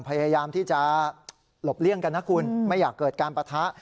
พยายามที่จะหลบเลี่ยงกันนะคุณไม่อยากเกิดการปะทะ